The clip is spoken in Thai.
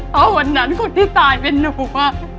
เพราะวันนั้นคนที่ตายเป็นหนู